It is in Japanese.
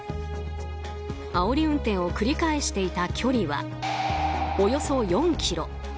あおり運転を繰り返していた距離はおよそ４ｋｍ。